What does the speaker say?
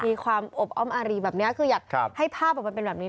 มีความอบอ้อมอารีแบบนี้คืออยากให้ภาพออกมาเป็นแบบนี้